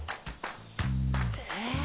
え。